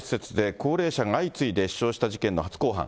高齢者が相次いで死傷した事件の初公判。